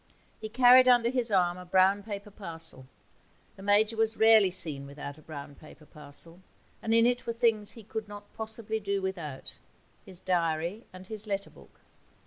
He carried under his arm a brown paper parcel (the Major was rarely seen without a brown paper parcel), and in it were things he could not possibly do without his diary and his letter book.